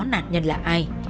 nạn nhân là ai